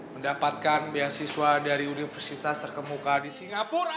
mendapatkan beasiswa dari universitas terkemuka di singapura